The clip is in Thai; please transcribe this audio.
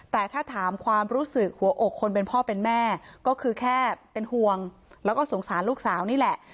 แต่ถ้าถามความรู้สึกหัวอกคนเป็นพ่อเป็นแม่ก็คือแค่เป็นห่วงแล้วก็สงสารลูกสาวนี่แหละ